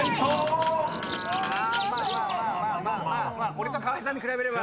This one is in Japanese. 俺と川合さんに比べれば。